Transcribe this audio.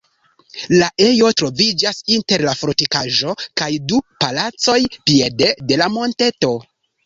La ejo troviĝas inter la fortikaĵo kaj du palacoj piede de la monteto.